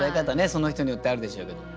その人によってあるでしょうけども。